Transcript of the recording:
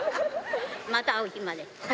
また会う日まで。